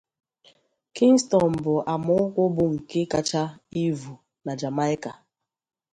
Kingston bu ama ukwu bu nke kacha ívu na Jamaikạ.